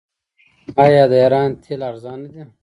آیا د ایران تیل ارزانه دي؟